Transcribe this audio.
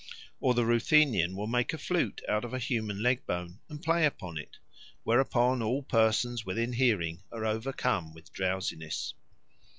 Or the Ruthenian will make a flute out of a human leg bone and play upon it; whereupon all persons within hearing are overcome with drowsiness.